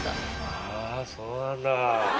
ああそうなんだ。